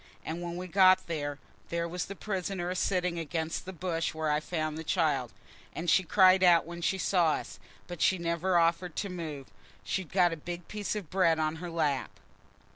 And when we got there, there was the prisoner a sitting against the bush where I found the child; and she cried out when she saw us, but she never offered to move. She'd got a big piece of bread on her lap."